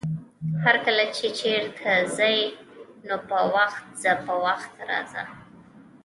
هرکله چې چېرته ځې نو په وخت ځه، په وخت راځه!